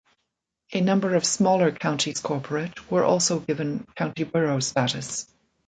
A number of smaller counties corporate were also given county borough status.